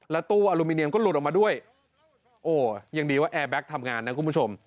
แล้วตู้อลูมิเนียมก็หลุดออกมาด้วยโอ้อย่างดีว่าทำงานนะคุณผู้ชม